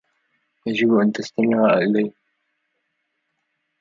يجب أن تستمع إليّ.